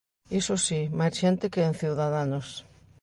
Iso si, máis xente que en Ciudadanos.